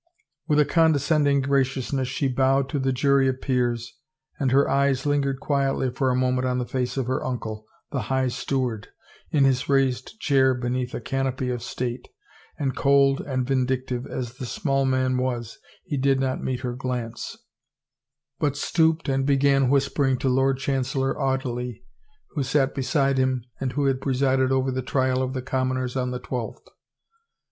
With a condescending graciousness she bowed to the jury of peers, and her eyes hngered quietly for a moment on the face of her uncle, the High Steward, in his raised chair beneath a canopy of state, and cold and vindictive as the small man was, he did not meet her glance, but stooped and began whispering to Lx)rd Chancellor Audeley, who sat beside him and who had presided over the trial of the commoners on the twelfth.